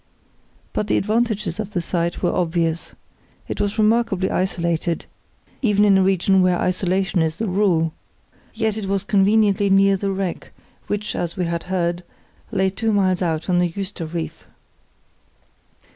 But the advantages of the site were obvious. It was remarkably isolated, even in a region where isolation is the rule; yet it was conveniently near the wreck, which, as we had heard, lay two miles out on the Juister Reef.